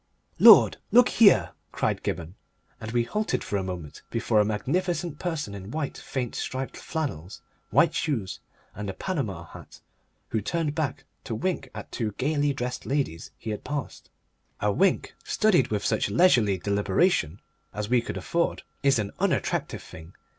"Lord, look here!" cried Gibberne, and we halted for a moment before a magnificent person in white faint striped flannels, white shoes, and a Panama hat, who turned back to wink at two gaily dressed ladies he had passed. A wink, studied with such leisurely deliberation as we could afford, is an unattractive thing.